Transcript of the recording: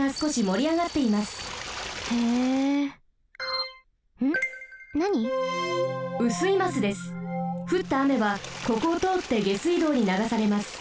ふったあめはここをとおって下水道にながされます。